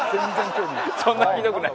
そんなひどくない。